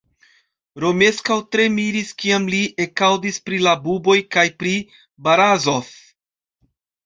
Romeskaŭ tre miris, kiam li ekaŭdis pri la buboj kaj pri Barazof.